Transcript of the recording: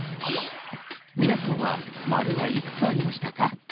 皆さんはマルがいくつありましたか？